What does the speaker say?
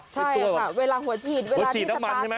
ใช่ค่ะเวลาหัวฉีดหัวฉีดน้ำมันใช่มั้ย